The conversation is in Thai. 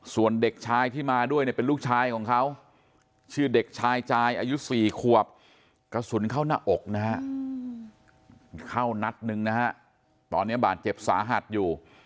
ส่วนเด็กชายที่มาด้วยเนี่ยเป็นลูกชายของเขาชื่อเด็กชายจายอายุ๔ขวบกระสุนเข้าหน้าอกนะฮะเข้านัดหนึ่งนะฮะตอนนี้บาดเจ็บสาหัสอยู่